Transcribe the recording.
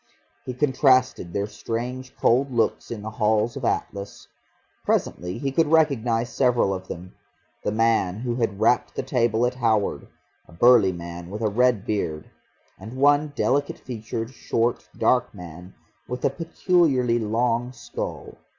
He contrasted their strange cold looks in the Hall of Atlas.... Presently he could recognise several of them; the man who had rapped the table at Howard, a burly man with a red beard, and one delicate featured, short, dark man with a peculiarly long skull.